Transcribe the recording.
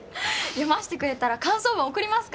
読ませてくれたら感想文送りますから。